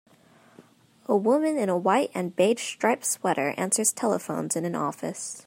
A woman in a white and beigestriped sweater answers telephones in an office.